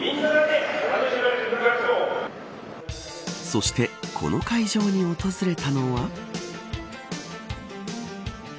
そしてこの会場に訪れたのは。